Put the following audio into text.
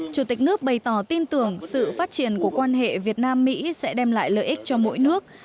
chủ tịch nước bày tỏ tin tưởng sự phát triển của quan hệ việt nam mỹ sẽ đem lại lợi ích cho mỗi nước